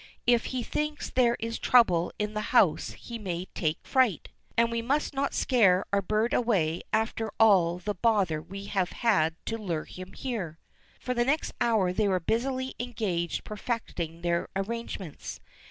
If he thinks there is trouble in the house he may take fright, and we must not scare our bird away after all the bother we have had to lure him here." For the next hour they were busily engaged perfecting their arrangements.